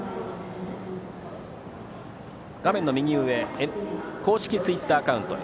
画面の右上公式ツイッターアカウント